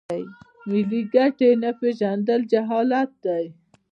ملي ګټې نه پیژندل جهالت دی.